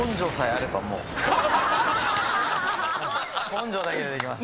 根性だけでできます。